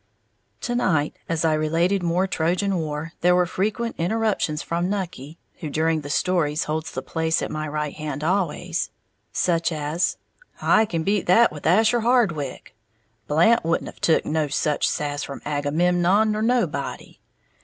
To night as I related more Trojan War, there were frequent interruptions from Nucky (who, during the stories, holds the place at my right hand always) such as, "I can beat that with Asher Hardwick!", "Blant wouldn't have took no such sass from Agamemnon or nobody!"